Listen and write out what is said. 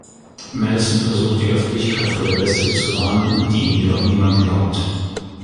Madison versucht die Öffentlichkeit vor der Bestie zu warnen, die ihm jedoch niemand glaubt.